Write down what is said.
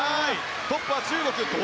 トップは中国。